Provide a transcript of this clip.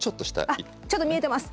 あっちょっと見えてます！